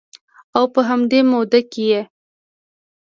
و په همدې موده کې یې